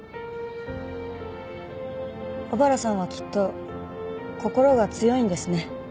小原さんはきっと心が強いんですね。